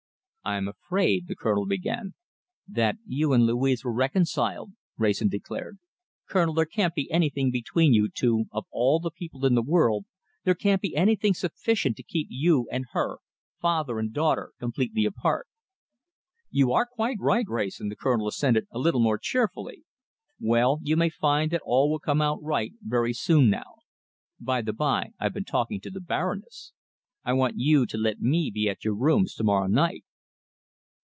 "I'm afraid " the Colonel began. "That you and Louise were reconciled," Wrayson declared. "Colonel, there can't be anything between you two, of all the people in the world, there can't be anything sufficient to keep you and her, father and daughter, completely apart." "You are quite right, Wrayson," the Colonel assented, a little more cheerfully. "Well, you may find that all will come right very soon now. By the by, I've been talking to the Baroness. I want you to let me be at your rooms to morrow night."